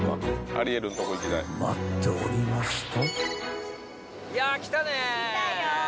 ［待っておりますと］